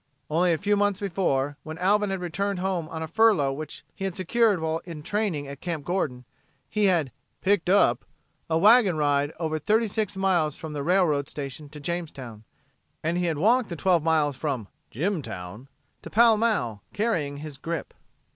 Only a few months before, when Alvin had returned home on a furlough which he secured while in training at Camp Gordon, he had "picked up" a wagon ride over the thirty six miles from the railroad station to Jamestown, and had walked the twelve miles from "Jimtown" to Pall Mall, carrying his grip.